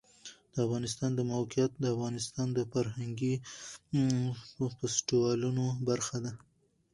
د افغانستان د موقعیت د افغانستان د فرهنګي فستیوالونو برخه ده.